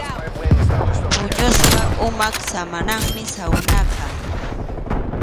Puñuspa umap samananmi sawnaqa.